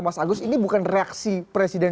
mas agus ini bukan reaksi presiden